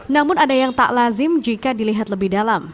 namun ada yang tak lazim jika dilihat lebih dalam